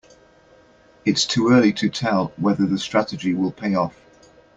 It's too early to tell whether the strategy will pay off.